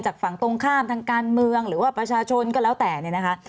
ฝั่งตรงข้ามทางการเมืองหรือว่าประชาชนก็แล้วแต่เนี่ยนะคะ